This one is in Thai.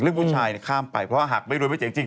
เรื่องผู้ชายนี่ข้ามไปเพราะว่าหากไม่รวยไม่เจ๋งจริง